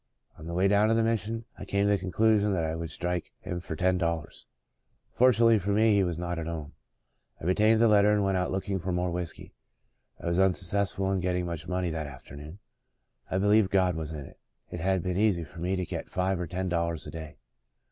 On the way down to the Mission, I came to the con clusion that I would strike him for ten dollars. Fortunately for me he was not at home. I retained the letter and went out looking for more whiskey. I was unsuccessful in getting much money that afternoon. I believe God was in it. It had been easy for me to get five or ten dollars a day.